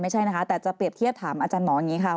ไม่ใช่นะคะแต่จะเปรียบเทียบถามอาจารย์หมออย่างนี้ค่ะ